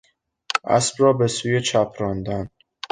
اسب را به سوی چپ راندن